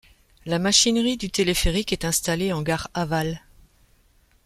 La machinerie du téléphérique est instalée en gare aval.